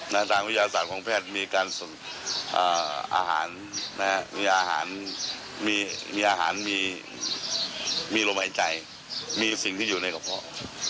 ทางวิทยาศาสตร์ของแพทย์มีการส่งอาหารนะฮะมีอาหารมีอาหารมีลมหายใจมีสิ่งที่อยู่ในกระเพาะ